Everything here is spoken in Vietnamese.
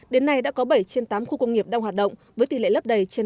đến nay đã có bảy trên tám khu công nghiệp đang hoạt động với tỷ lệ lấp đầy trên chín mươi